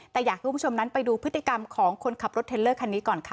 แต่อยากให้คุณผู้ชมนั้นไปดูพฤติกรรมของคนขับรถเทลเลอร์คันนี้ก่อนค่ะ